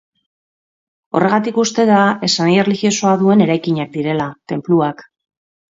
Horregatik uste da esanahi erlijiosoa duen eraikinak direla, tenpluak.